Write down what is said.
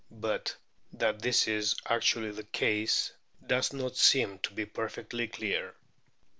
But that this is actually the case does not seem to be perfectly clear.